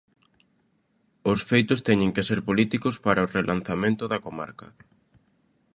Os feitos teñen que ser políticos para o relanzamento da comarca.